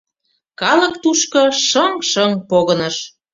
Калык тушко шыҥ-шыҥ погыныш.